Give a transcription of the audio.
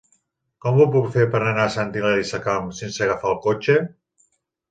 Com ho puc fer per anar a Sant Hilari Sacalm sense agafar el cotxe?